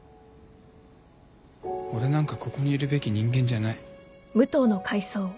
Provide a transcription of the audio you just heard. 俺なんかここにいるべき人間じゃない。